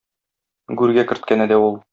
Гүргә керткәне дә ул.